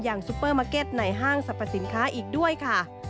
ซุปเปอร์มาร์เก็ตในห้างสรรพสินค้าอีกด้วยค่ะ